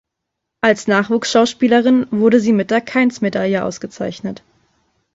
Als Nachwuchsschauspielerin wurde sie mit der Kainz-Medaille ausgezeichnet.